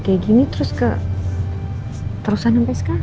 kayak gini terus ke terusan sampai sekarang